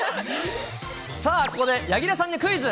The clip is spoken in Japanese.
さあ、ここで柳楽さんにクイズ。